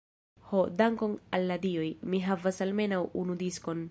Ho, dankon al la Dioj, mi havas almenaŭ unu diskon.